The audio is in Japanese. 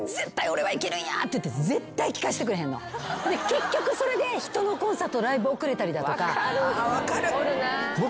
結局それで人のコンサートライブ遅れたりだとか。